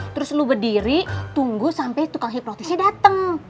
terus lu berdiri tunggu sampe tukang hipnotisnya dateng